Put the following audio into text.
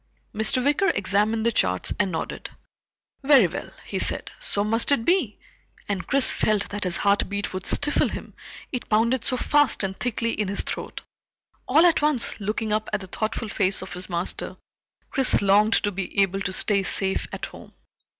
Mr. Wicker examined the charts and nodded. "Very well," he said, "so must it be," and Chris felt that his heartbeat would stifle him, it pounded so fast and thickly in his throat. All at once, looking up at the thoughtful face of his master, Chris longed to be able to stay safe at home.